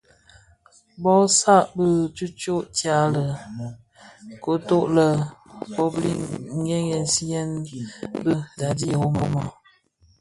Bö san bi tishyo tya lè koton ti lè publins nghemziyèn ti daadi i Roma.